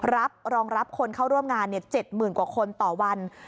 รองรับคนเข้าร่วมงาน๗๐๐๐กว่าคนต่อวัน